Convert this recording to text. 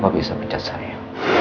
bapak bisa pencet saya